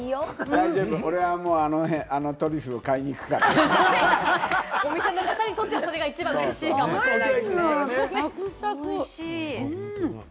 大丈夫、俺はあのトリュフをお店の方にとっては、それが一番うれしいかもしれない。